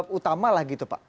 yang utama lah gitu pak